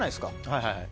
はいはい。